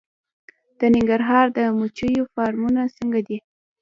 د ننګرهار د مچیو فارمونه څنګه دي؟